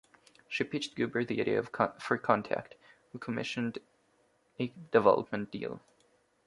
She pitched Guber the idea for "Contact", who commissioned a development deal.